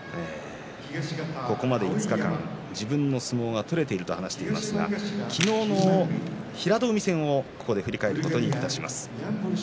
ここまで５日間自分の相撲が取れていると話していますが昨日の平戸海戦を振り返ります。